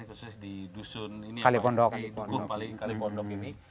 khusus di dusun kalipondok